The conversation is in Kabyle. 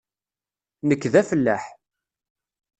Nekk d afellaḥ.